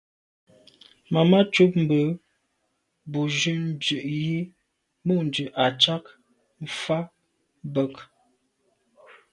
Màmá cúp mbə̄ bù jún ndʉ̌ʼ jí mû’ndʉ̀ à’ cák fá bə̀k.